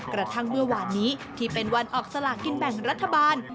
กระทั่งเมื่อวานนี้ที่เป็นวันออกสลากินแบ่งรัฐบาล